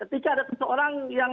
ketika ada seseorang yang